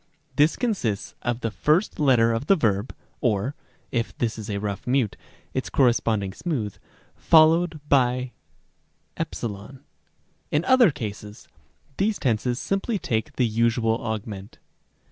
This consists of the first letter of the verb (or, if this is a rough mute, its corresponding smooth) followed by «. In other cases, these tenses simply take the usual augment.